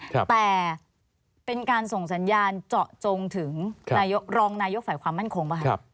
แต่เป็นการส่งสัญญาณเจาะจงถึงนายกรองนายกฝ่ายความมั่นคงป่ะครับ